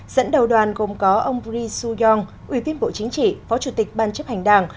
dẫn đầu đoàn gồm có ông bri su yong ủy viên bộ chính trị phó chủ tịch ban chấp hành đảng